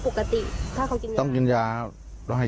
พระเจ้าอาวาสกันหน่อยนะครับ